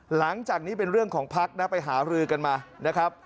หลังจากนี้เป็นเรื่องของพักนะไปหารือกันมานะครับ